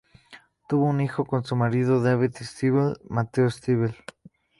Tuvo un hijo con su marido David Stivel, Mateo Stivel.